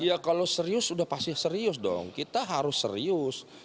ya kalau serius sudah pasti serius dong kita harus serius